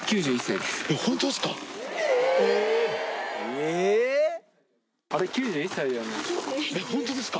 ９１歳です。